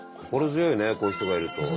こういう人がいると。